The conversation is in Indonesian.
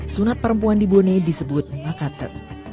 sunat perempuan di bone disebut makate